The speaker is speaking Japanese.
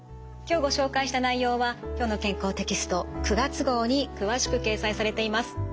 今日ご紹介した内容は「きょうの健康」テキスト９月号に詳しく掲載されています。